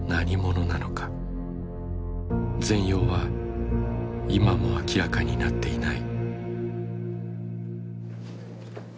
全容は今も明らかになっていない。